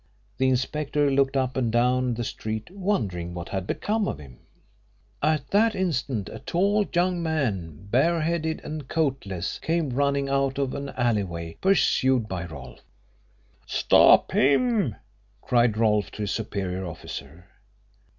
The inspector looked up and down the street, wondering what had become of him. At that instant a tall young man, bareheaded and coat less, came running out of an alley way, pursued by Rolfe. "Stop him!" cried Rolfe, to his superior officer.